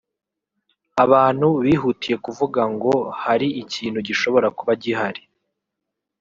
Abantu bihutiye kuvuga ngo hari ikintu gishobora kuba gihari